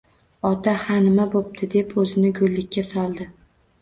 Ota, ha, nima bo‘pti, deb o‘zini go‘llikka soldi